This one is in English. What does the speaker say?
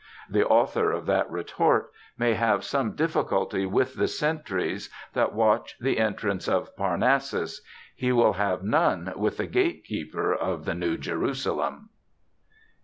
'" The author of that retort may have some difficulty with the sentries that watch the entrance of Parnassus; he will have none with the gatekeeper of the New Jerusalem.